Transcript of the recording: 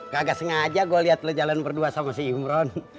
kagak sengaja gue liat lo jalan berdua sama si imron